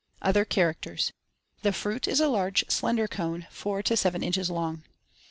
Other characters: The fruit is a large slender cone, four to seven inches long.